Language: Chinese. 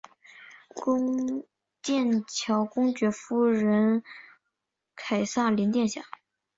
剑桥公爵夫人凯萨琳殿下。